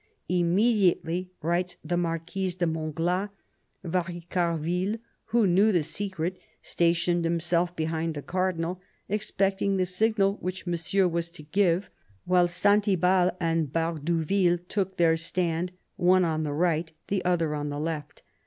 Immediately," writes the Marquis de Montglat, " Varicarville, who knew the secret, stationed himself behind the Cardinal, expecting the signal which Monsieur was to give, while Saint Ibal and Bardouville took their stand, one on the right, the other on the left.